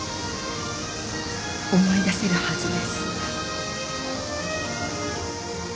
思い出せるはずです。